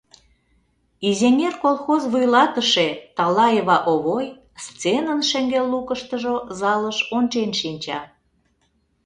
«Изеҥер» колхоз вуйлатыше Талаева Овой сценын шеҥгел лукыштыжо залыш ончен шинча.